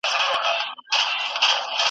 د هغه به څه سلا څه مشوره وي .